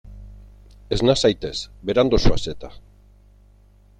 Esna zaitez, berandu zoaz eta.